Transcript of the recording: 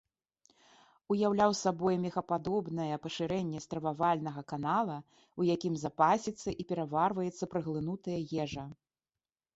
Уяўляе сабой мехападобнае пашырэнне стрававальнага канала, у якім запасіцца і пераварваецца праглынутая ежа.